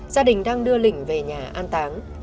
gia đình đang đưa lỉnh về nhà an táng